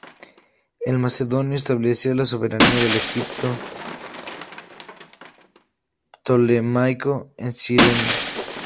El macedonio estableció la soberanía del Egipto ptolemaico en Cirenaica.